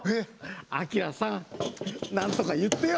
アキラさん、なんとか言ってよ！